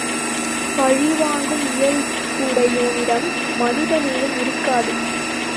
பழிவாங்கும் இயல்புடையோனிடம் மனித நேயம் இருக்காது.